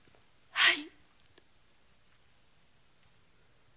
はい。